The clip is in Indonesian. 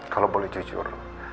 kalau boleh jujur